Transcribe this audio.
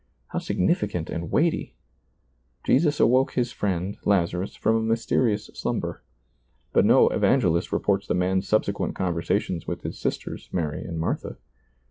how significant and weighty 1 Jesus awoke his friend, Lazarus, from a mysterious slumber, but no Evangelist reports the man's sub sequent conversations with his sisters, Mary and Martha.